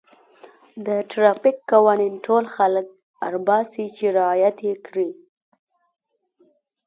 د ټرافیک قوانین ټول خلک اړ باسي چې رعایت یې کړي.